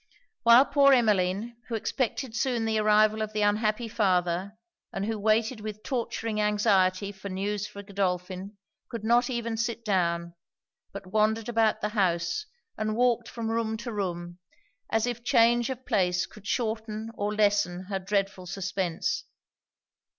While poor Emmeline, who expected soon the arrival of the unhappy father, and who waited with torturing anxiety for news from Godolphin, could not even sit down; but wandered about the house, and walked from room to room, as if change of place could shorten or lessen her dreadful suspence.